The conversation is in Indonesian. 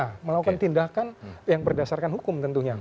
kita melakukan tindakan yang berdasarkan hukum tentunya